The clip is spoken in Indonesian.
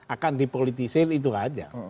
akan dipolitisir itu aja